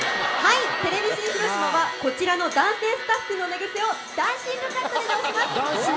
テレビ新広島はこちらの男性スタッフの寝ぐせをダンシングカットで直します。